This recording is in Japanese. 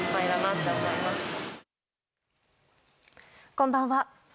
こんばんは。